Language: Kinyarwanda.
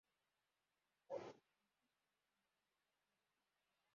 Itsinda ryabantu hafi yinzu ishimishije kuri koga